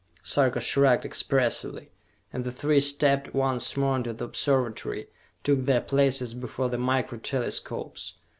Sarka shrugged expressively, and the three stepped once more into the Observatory, took their places before the Micro Telescopes.